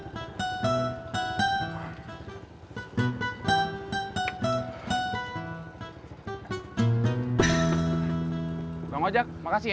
tidak saya mau pergi